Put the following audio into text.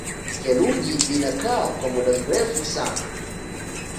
Theluji inakaa kwa muda mrefu sana